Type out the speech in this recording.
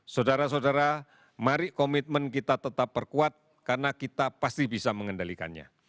saudara saudara mari komitmen kita tetap berkuat karena kita pasti bisa mengendalikannya